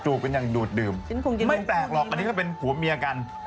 จิ้นคงถึงตรงนี้ไหมครับไม่แปลกหรอกอันนี้ก็เป็นผัวเมียกัน